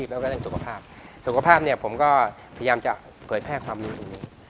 ผมก็จะพยายามไถแค่ความรู้